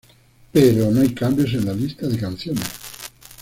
Pero no hay cambios en la lista de canciones.